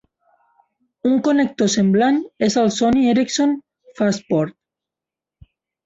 Un connector semblant és el Sony Ericsson FastPort.